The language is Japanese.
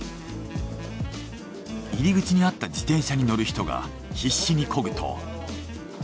入り口にあった自転車に乗る人が必死にこぐと。